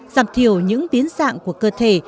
giảm thiểu những biến dạng của cơ thể